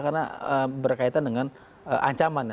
karena berkaitan dengan ancaman